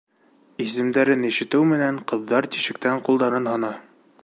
Исемдәрен ишетеү менән, ҡыҙҙар тишектән ҡулдарын һона.